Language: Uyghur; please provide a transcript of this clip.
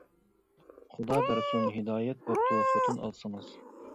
خۇدا بەرسۇن ھىدايەت بوپتۇ خوتۇن ئالسىڭىز.